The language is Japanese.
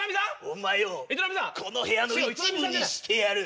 お前をこの部屋の一部にしてやる。